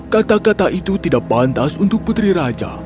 kata kata itu tidak pantas untuk putri raja